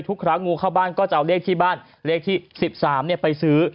ทุกครั้งงูเข้าบ้านก็จะเอาเลขที่บ้านเลขที่๑๓ไปซื้อ